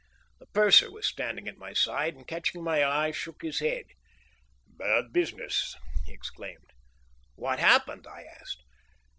The purser was standing at my side and, catching my eye, shook his head. "Bad business," he exclaimed. "What happened?" I asked.